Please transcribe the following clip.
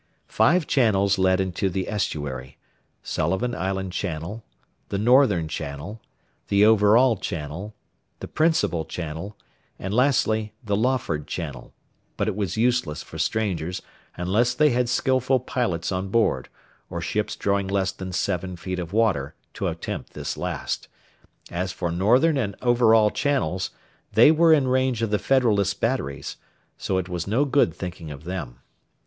Five channels led into the estuary, Sullivan Island Channel, the Northern Channel, the Overall Channel, the Principal Channel, and lastly, the Lawford Channel; but it was useless for strangers, unless they had skilful pilots on board, or ships drawing less than seven feet of water, to attempt this last; as for Northern and Overall Channels, they were in range of the Federalist batteries, so that it was no good thinking of them.